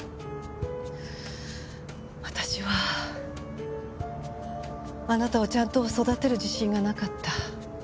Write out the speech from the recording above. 私はあなたをちゃんと育てる自信がなかった。